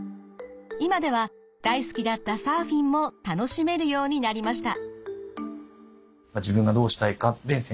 今では大好きだったサーフィンも楽しめるようになりました。